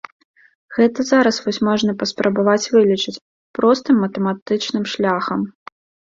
Гэта зараз вось можна паспрабаваць вылічыць, простым матэматычным шляхам.